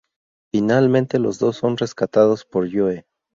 Finalmente los dos son rescatados por Joe.